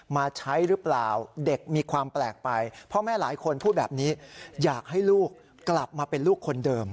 มาใช้หรือเปล่าเด็กมีความแปลกไปพ่อแม่หลายคนพูดแบบนี้อยากให้ลูกกลับมาเป็นลูกคนเดิม